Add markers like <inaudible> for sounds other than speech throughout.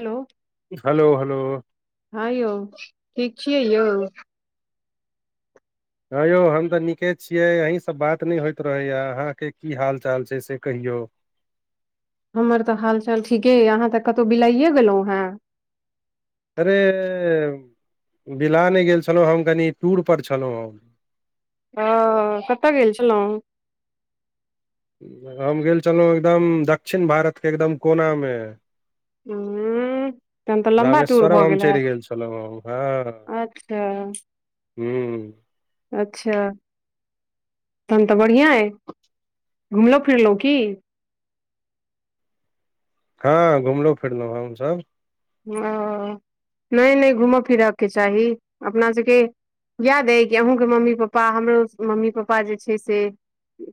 Hello. Hello- hello. हँ यौ ठीक छी यौ। हँ यौ हम तऽ निके छियै, अहीसँ बात नहि होइत रहैया, अहाँके की हाल चाल छै से कहियौ। हमर तऽ हाल चाल ठीके एय, अहाँ तऽ कतौ बिलाइये गेलौ हैं। अरे बिला नहि गेल छलौ, हम कनि टूर पर छलौ हम। हंऽ कतऽ गेल छलहुं। हम गेल छलऊ एकदम, दक्षिण भारतके एकदम कोनामे उंम्म तहन तऽ लम्बा टूर रामेश्वरम भऽ हम गेल चलि हैत, छलहुँ हम अच्छा। हम्म अच्छा तहन तऽ बढ़ियां अय, घुमलौ फिरलौ की हँ घुमलौ-फिरलौ हमसब। ओ नहि-नहि घूम फिरऽके चाही अपना सबके याद अइ कि अहूँके मम्मी-पप्पा, हमरो मम्मी-पप्पा जे छै से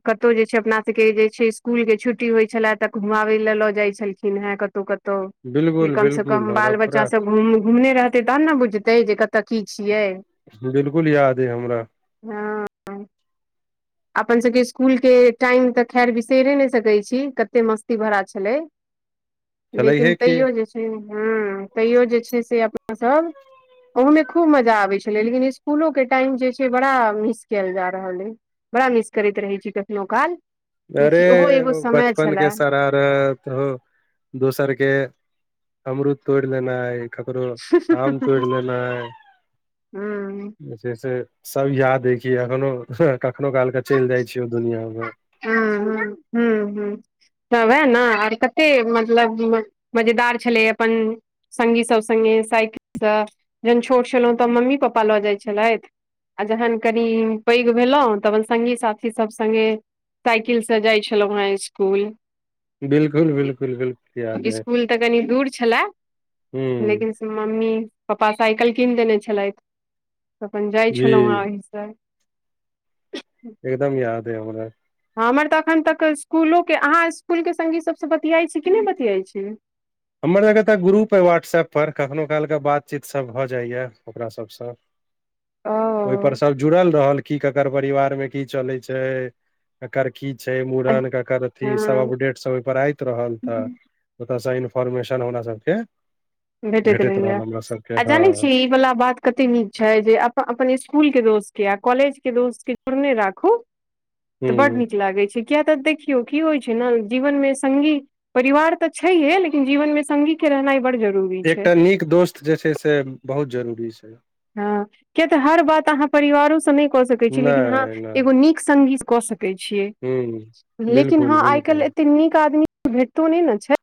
कतौ जे छै अपना सबके जे छै, स्कूल के छुट्टी होइ छलै, तऽ घुमाबै लै लऽ जाइ छलखिन हेँ कत ऊ-कतऊ कि बिलकुल कम स क बिलकुल हमरा बाल बच्चा पूरा सब घुम घुमने रहतै, तहन ने बुझतै जे कतऽ की छियै। बिलकुल याद अय हमरा। हँ। अपन सबके स्कुलके टाइम त खैर बिसैरे नहि सकै छी, कते मस्ती भरा छलै। छलैहे लेकिन की तैयो जे छै, हम्म तैयो जे छै से अपनासब ओहोमे खूब मजा आबै छलै, लेकिन स्कुलों के टाइम जे छै, बड़ा मिस कैल जा रहल अय। बड़ा मिस करैत रहै छी कखनो काल। अरे बुझी ओहो एगो समय बचपन छलए के शरारत हो दोसर के अमरूद तोड़ि लेनाई ककरो आम तोड़ि लेनाई हूँ जे छै सब याद अय कि अखनो, कखनो काल के चलि जाइ छी‌ ओ दुनिया म। हूं-हूं हम्म- हम्म त वएह न आर कते मतलब मजेदार छलै अपन संगी सब संगे साइकिलसँ, जहन छोट छलहुँ तऽ मम्मी- पप्पा लऽ जाइ छलैथ। आ जहन कनि पैघ भेलौ तहन संगी साथी सब संगे साइकिलसँ जाइ छलौं हें स्कुल। बिल्कुल बिल्कुल बिल्कुल याद अइ स्कुल तऽ कनि दूर छलै हूँ लेकिन मम्मी-पप्पा साइकिल कीन देने छलैथ, त अपन जाइ जी छलौं हें ओहिसँ। हू एकदम याद अय हमरा। हमर तऽ एखन तक स्कुलोके, अहाँ स्कुलके संगी सबसँ बतियाइ छी कि नहि बतियाइ छी? हमर सबके त ग्रुप अय व्हाट्सऐप पर, कखनो काल के बातचीत सब भ जाय यैं। ओकरा सबसँ। ओयपर ओ सभ जुड़ल रहल, की ककर परिवार मे की चलै छै ककर की छै, मुड़न, केकर अथी सब हँ अपडेट सब ओहि पर आइत रहल त ओतऽ सँ इन -फॉर्मेशन हमरा सबके भेटैत रहैय, रहल हमरा सबके आ जानै हँ छीयै ई बला बात। कते नीक छै, जे अप अपन स्कुल के दोस्त के, आ कॉलेज के दोस्त के जोड़ने राखू। तऽ बड हुं नीक लागै छै, किया तऽ देखियौ की होइ छै ने जीवनमे संगी परिवार तऽ छैहे, लेकिन जीवन मे संगी के रहनाइ बड़ जरुर एकटा नीक दोस्त जे छै से बहुत जरूरी छै। हँ किया तऽ हर बात आहाँ परिवारो सँ नै कऽ सकै छीयै लेकिन आहाँ नहि नहि एगो नीक संगी कऽ सकै छियै हुं लेकिन बिलकुल हँ आय बिलकुल कैल्ह एते नीक आदमी। भेटतो नै नऽ छै।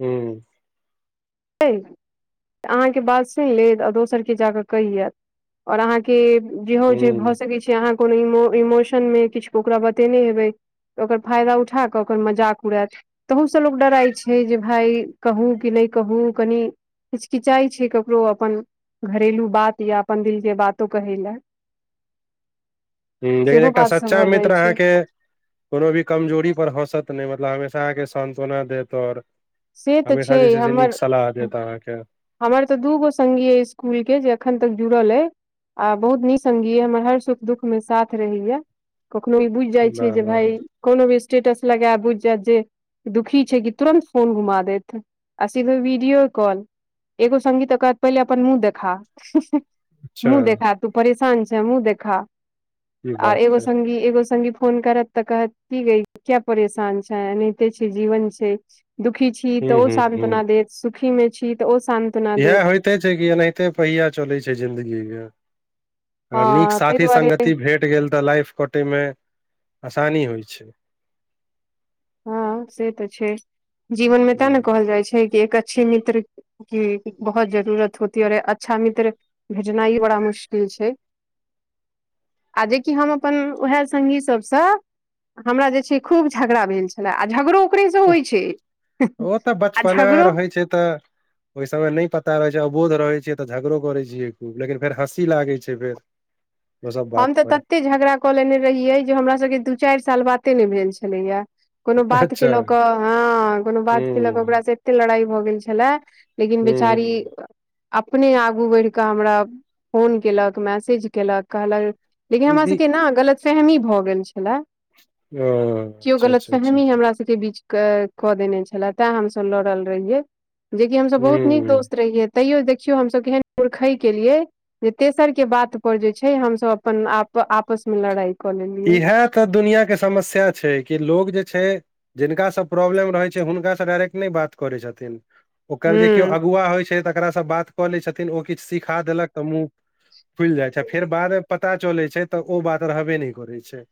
हूँ। <unintelligible> अहाँके बात सुइन लेत आ दोसर केँ जाकऽ कैह एअत। और आहाँ के जेहो जे भए हुं सकै छै। छै आहाँ कोनो इमोशन मे किछ ओकरा बतेने हेबै। तऽ ओकर फायदा उठा कऽ ओकर मजाक उड़ेत। तहू से लोक डराइ छै जे भाय कहू कि नै। कहू कनि हिचकिचाइ छै ककरो अपन। घरेलू बात या अपन दिलके बातो कहै लए। हँ लेकिन सेहो एकटा बात सब सच्चा भऽ जाइ मित्र छै आहाँके। कोनो भी कमजोरी पर हँसत नै मतलब हमेशा आहाँ के सानत्वना देत और से तऽ हमेशा जे छै से नीक हमर सलाह देता आहाँके। हमर तऽ दूगो संघी अइ स्कूल के जे अखन तक जुड़ल अइ। आ बहुत निक संघी या हमर हर सुख दुख मे साथ रहैया। कखनो ई बुइझ जाय छै वाह से वाह भाय। कोनो भी स्टेटस लगेब बुइझ जेेएत जे दुखी छै कि तुरन्त। फोन घुमा देत आ सीधे वीडियो कॉल। एगो संगी तऽ कहत पहिले अपन मुँह देखा। अच्छा मुँह देखा तू परेशान छै मुँह देखा। ई और बात एगो छै संगी एगो संगी फोन करत तऽ कहत की गई किया परेशान छें एनैहते छै जीवन छै। दुःखी छी तऽ हुं ओ हुं हुं शानत्ना देत सुखी छी तऽ ओ शान्त। इएहे होइते छै कि एनाहिते पहिया चलै छै जिंन्दगीमे। हँ अगर नीक ताहि साथी दुआरे संगति भेट गेल तऽ लाइफ कटैयमे आसानी होय छै। हँ से तऽ छै जीवन मे तें ने हुं कहल जाय छै कि एक अच्छे मित्र। की बहुत जरूरत होतीऔर अच्छा मित्र। भेजनाइ बड़ा मुश्किल छै। आ जेकि हम अपन उएहे संगी सबसँ। हमरा जे छै खूब झगड़ा भेल छेल्ला आ झगड़ो। ओकरेसँ होइ छै ओतऽ आ बचपना झगड़ो रहै छैय तऽ। ओय समय नै पता रहै छै अबोध रहै छियै तऽ झगड़ो करे छियै खूब लेकिन फेर हँसी लागे छै फेर। ओ सब बात हम तऽ पर ततेक झगड़ा कऽ लेने रहियै जे हमर सबके दू चैर साल बाते नै भेल छेलैया। कोनो बात के अच्छा लऽ कऽ हँ कोनो बात के लऽ कऽ हूँ ओकरासँ एते लड़ाइ भऽ गेल छेल्ला। लेकिन हूँ बेचारी। हूँ अपने आगू बैड़ कऽ हमरा फोन केलक मैसेज केलक कहलक। लेकिन ई हमरा ई सबके न गलतफेहमी भऽ गेल छेल्ला। हँ अच्छा-अच्छा-अच्छा। के बीच कए कऽ देने छेल्ला तैं हमसब लड़ल रहियै। जेकि हमसब बहुत नीक हूँ दोस्त रहियै। तैयो देखियौ हमसब केहन मूर्खय केलियै जे तेसर के बात पर जे। छै हमसब अपन आप- आपस में लड़ाई। इहे तऽ दुनियां के समस्या छै कि लोग जे छै। जिनका सऽ प्रॉब्लम रहै छै हुनका सऽ डायरेक्ट नै बात करै छथिन। ओकर जे किओ हूँ अगुआ होइ छै तकरा स बात कऽ लै छथिन ओ किछ सिखा देलक तऽ मुँह फुइल जाइ छै आ फेर बाद में पता चलै छै तऽ ओ बात रहबे नै करै छै।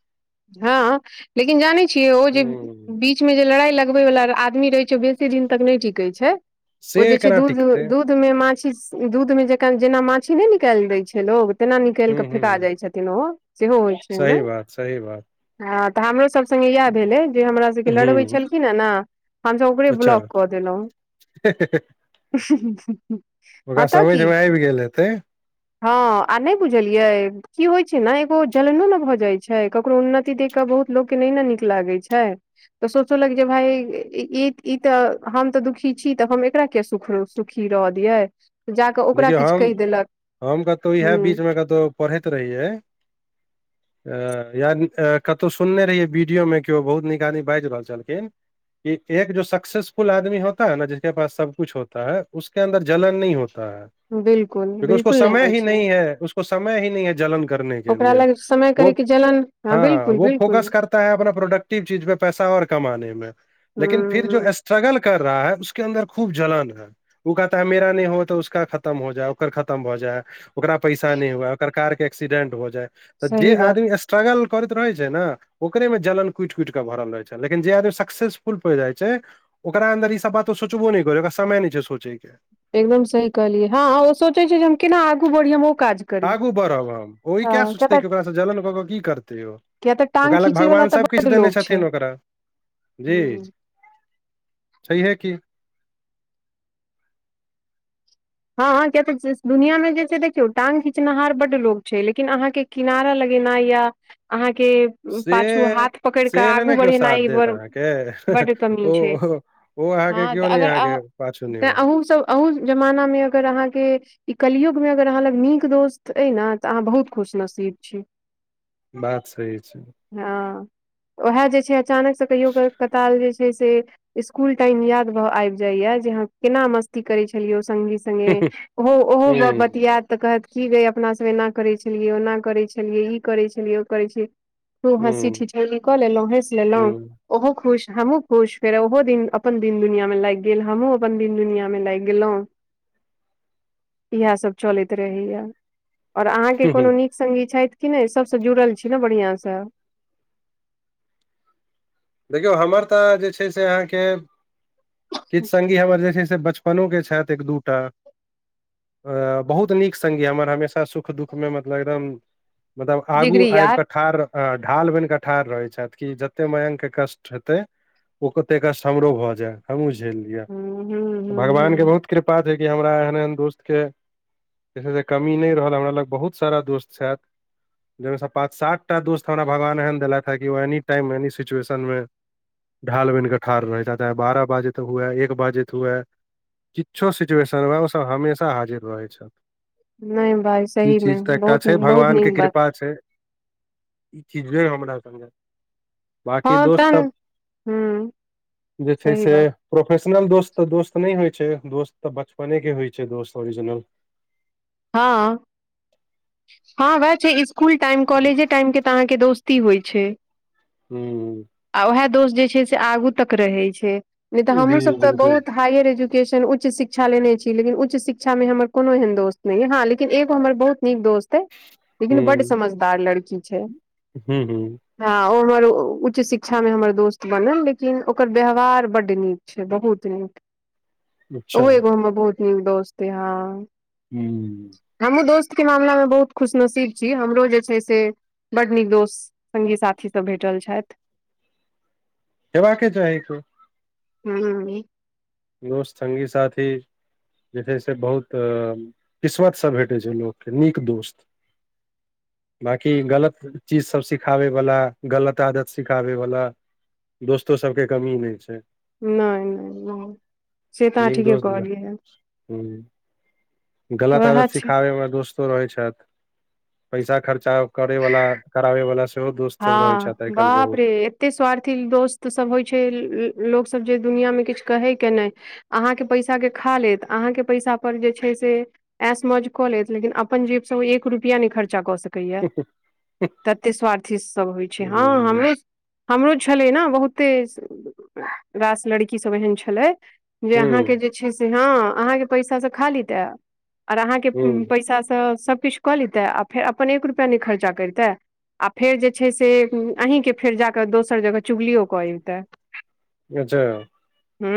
हँ लेकिन जानै छियै ओ जे बी हूँ बीच में जे लड़ाई लगबै वाला आदमी रहै छै ओ बेसी दिन तक नै टिके छै ओ से जे छै केना दूध टिकतै दू ध में माछी स दूध में जेका जेना माछी नै निकैल दै छै लोग। तेना निकाइल हूँ क फेका हूँ जाय छथिन ओ सेहो होइ छै ओय सही में। बात सही बात। हँ तऽ हमरोसभ संग इएह भेलै जे हमरा सबके लड़बै हूँ छलखिन हे न त हमसब ओकरे ब्लॉक कऽ देलौं। हे-हे-हे ओकरा अतऽ समैझ की में आइब गेल हेतै। हँ आ नै बुझलियै की होइ छै न एगो जलनो न भऽ जाय छै। छै ककरो उन्नति देख कऽ बहुत लोक के नै न नीक लागै छै। त सोचलक जे भाई ई ई तऽ हम त दुखी छी त हम एकरा किया सुख सुखी रहऽ दियै। जाकऽ ओकरा देखियौ किछु हम कहि देलक हम कतौ इएह हुं बीच में कतौ पढ़ैत रहियै। अ या कतौ सुनने रहियै वीडियो में किओ बहुत नीक आदमी बाइज रहल छलखिन। <unintelligible> बिल्कुल बिल्कुल नहि होइ छै ओकरा लग <unintelligible> <unintelligible> समय करे के जलन <unintelligible> हँ का बिल्कुल बिल्कुल हुं खतम हो जए ओकर खतम भऽ जए ओकरा पैसा नै हुए ओकर कार के एक्सीडेंट हो जए। त जे सही बात आदमी स्ट्रगल करैत रहै छै न। ओकरे में जलन कुइट-कुइट कऽ भरल रहै छै लेकिन जे आदमी सक्सेसफुल पइड़ जाइ छै। ओकरा अन्दर ई सब बात ओ सोचबो नै करै ओकरा समय नै छै सोचे के। एकदम सही कहलियै हँ ओ सोचै छै जे हम केना आगू बढ़ियै हम ओ काज करी आगू बढ़ब हम ओ ई किया हँ सोचतै तऽ कि ओकरा स जलन कऽक की करतै ओ। किया तऽ ओकरा टांग लग खींचे वाला भगवान तऽ सबकिछ बड देने लोग छै छथिन ओकरा जी। हुं छैहे की। हँ-हँ किया त ज-ज दुनिया में जे छै देखियऔ टाँग खिचनाहर बड लोक छै लेकिन अहाँ के किनारा लगेनाइ या अहाँके पाछू से हाथ पकैड़ कऽ से नहि आगू ने केओ बढ़ेनाइ साथ एहि देत पर अहाँके बड कमी छै। ओ ओ अहाँके हँ त केओ नहि अगर अह अहाँके पाछू तऽ निभायत अहूँ सब अहू जमाना में अगर अहाँके ई कलियुग में अगर अहाँ लग नीक दोस्त अइ न तऽ अहाँ बहुत खुशनसीब छी। बात सही छै। हँ उएह जे छै अचानक स कहियो काल कताल जे छै से स्कूल टाइम याद भ आइब जाइया जे हम केना मस्ती करै छलियौ संगी संगे ओहो-ओहो ब हूँ बतियैत त कहत की गै अपना सब एना करै छलियै ओना करै छलियै ई करै छलियै ओ करै छी। खुब हँसी हूँ टिटौली कऽ लेलहुँ हँसि लेलहुँ। हूँ ओहो खुश हमहूँ खुश फेर ओहो दिन अपन दिन दुनिया में लागि गेल हमहुँ अपन दिन दुनिया में लागि गेलहुँ। इएह सब चलैत रहेया, और अहा हूँ के कोनो नीक संगगी छथि कि ने? सबसँ जुड़ल छी ने बढ़ियां से? देखियौ हमर तऽ जे छै, से अहाँके हित सगी हमर जे छै से बचप अपन के छथि एक दूटा। अ बहुत नीक संगगी हमर हमेशा सुख दुःखमे मतलब एकदम मतलब आगू जिगरी आबि यार कऽ ढार ठाढ़ ढाल बन कऽ ठाढ़ रहै छथि, कि जते मायं के कष्ट हेतै ओ कते क <unintelligible> समाम्रोह भ जाय। हमहूँ झेल लिअ, हूँ हूँ हूँ भगवानके हूँ बहुत कृपा छैे, कि हमरा एहन एहन दोस्तके जे से कमी नहि रहल हमरा लग बहुत सारा दोस्त छाइथ। जाहिमे पाँच सात टा दोस्त हमरा भगवान एहन देलथि हे कि एनी टाइम एनी सिचुएशन मे ढाल बन कऽ ठाढ़ रह जाता है, बारह बाजे तऽ हुएै, एक बाजे त हुएै। किछो सिचुएशन में ओसभ हमेशा हाजिर रहै छथि। नहि भाय ई सही मे चीज तऽ एकटा बहुत छै, बहुत नीक भगवानके बात कृपा छै। ई खिजबे ने हमरा स बाकी हँ दोस्त सब तहन हूँ जे छै, सही से बात प्रोफेशनल दोस्त तऽ दोस्त नहि होइ छै, दोस्त तऽ बचपने के होइ छै, दोस्त ओरिजिनल। हँ -हँ वएह छै, जे इसकुल टाइम कॉलेजे टाइम के तऽ अहाँके दोस्ती होइ छै। हू आ उएह दोष जे छै से आगू तक रहै छै नहि तऽ जी हमहूँसभ तऽ बिल्कुल बहुत हायर एजुकेशन उच्च शिक्षा लेने छी, लेकिन उच्च शिक्षामे हमर कोनो एहन दोस्त अछि। नहि हँ, लेकिन एगो हमर बहुत नीक दोस्त लेकिन बड हूँ समझदार लड़की छै। हूँ हूँ हँ ओ हमर उच्च शिक्षा मे हमर दोस्त बनल लेकिन ओकर व्यवहार बड् नीक बहुत नीक अच्छा ओ एगो हमर बहुत नीक दोस्त य हा। हू हमहुँ दोस्त के मामला मे बहुत खुशनसीब छी, हमरो जे छै से बड नीक दोस्त संगी साथी सभ भेटल छइथ। हेबाक के चाही। ह्म्म ह्म्म दोस्त, संगी, साथी जे छै से बहुत किस्मत स भेटै छै, लोकके नीक दोस्त। <inaudible> बाँकी गलत चीजसभ सिखाबय वला, गलत आदत सिखाबय वला दोस्तो सभके कमी नहि छै। नहि- नहि- नहि से तऽ नीक ठीके दोस्त कहलिइय हन। हूँ गलत आदत सिखाबे हमरा दोस्त रहइ छाइथ, पैइसा खर्चा करइ वला करावइ वला हँ बाप रे एते स्वार्थी दोस्त सब होइ छै, लो लोक सब जे दुनिया मे किछ कहे के नहि। अहाँके पैसा के खा लेत, अहाँके पैसा पर जे छै से। ऐस मौज कऽ लेैत, लेकिन अपन जेब स ओ एक रुपिया नहि खर्चा कऽ सके। तते स्वार्थी सब होइ छै, हँ हम हूँ हमरो छलै ने बहुते रास लड़कीसभ एहन छलै। जे अहाँके हूँ जे छै से, हँ अहाँके पैसाँ खाली तऽ आर अहाँके हूँ पैसासँ सभकिछु कऽ लेतै आ फेर अपन एक रुपैआ नहि खर्चा करितै आ फेर जे छै से अहीँके फेर जाकऽ दोसर जगह चुगलियो कऽ अबतै अच्छा। हू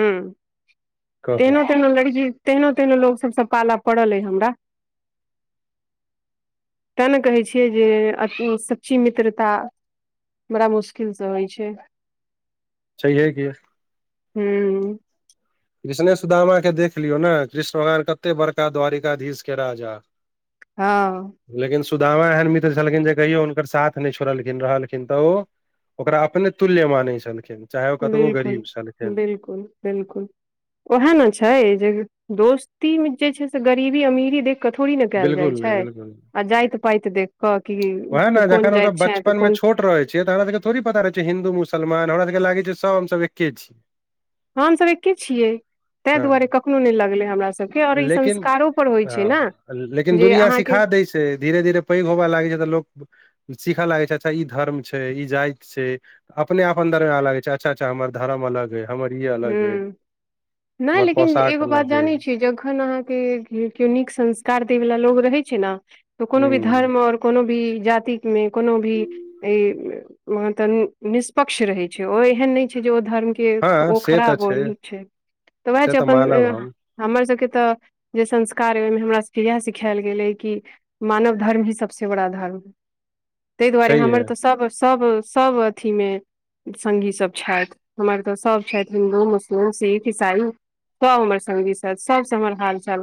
कहू तना तेना लड़ ज तहिनो तहिनो लोक सब सब पाला पड़ल अ हमरा तें ने कहै छियै जे मित्रता बड़ा मुश्किल से होइ छै। सहीएै क हू। कृष्णे सुदामा के देख लियौ ने कृष्ण भगवान कते बड़का द्वारिकाधीश के राजा हँ। लेकिन सुदामा एहन मित्र छलखिन जे कहियो हुनकर साथ नहि छोड़लखिन रहलखिन, तऽ ओ ओकरा अपने तुल्य मानै छलखिन चाहे ओ कतबो गरीब छलखिन बिलकुल-बिलकुल बिलकुल ओएहे ने छै जे दोस्ती जे छै से गरीबी अमीरी देख के थोड़ी ने कयल जाइ बिल्कुल नहि छै बिल्कुल नहि। आ जाइत पाइत देख क की वएह ने जखन हमस बचपन में छोट रहै छियै तऽ हमरा सबके थोड़े पता रह छै हिन्दू-मुसलमान हमरा सबके लागे छै सब हमस एके छी। हमसभ एके छियै। ताहि हँ दुआरे कखनो नहि लगलै हमर सभके आओर ई लेकिन संस्कारोपर होइत छै ने हँ लेकिन जे दुनििया अहाँके सिखा दै छै, धीरे धीरे पैघ होबय लागै छै, तऽ लोक सीखऽ लागै छै अच्छा ई धर्म छै, ई जाति छै। अपने अपन्दरमे अलग छै अच्छा-अच्छा हमर धरम अलग हमर ई। अलग अइ हू नहि हमर लेकिन पोशाक एगो बात अलग अइ जानै छियै, जखन अहाँके केओ नीक संस्कार देय वाला लोग रहे छै, ने तऽ कोनो भी हूँ धर्म और कोनो भी जाति मे कोनो भी ई महाँ त निष्पक्ष रहै छै, ओ एहन नहि छै जे ओ धर्मके हँ ओ से तऽ खराब ओ नीक छै तऽ वएह से छै अपन मानब हम हमर सभके तऽ जे संस्कार अइ ओहिमे हमर सभके इएह सिखायल गेल अइ कि मानव धर्म ही सबसे बड़ा धर्म ताहि दुआरे छैहे हमर तऽ सभ सभ सब अथी मे संगी सब छथि हमर त सब छथि हिन्दू मुस्लिम सिख ईसाई सब हमर संगी छथि सबस हमर हालचाल